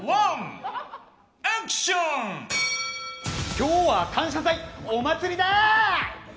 今日は「感謝祭」、お祭りだ！